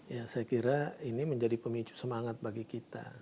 ya saya kira ini menjadi pemicu semangat bagi kita